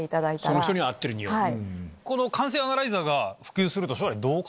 その人に合ってる匂い。